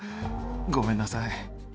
ごめんなさい。